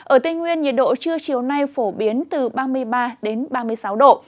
ở tây nguyên nhiệt độ trưa chiều nay phổ biến từ ba mươi ba đến ba mươi sáu độ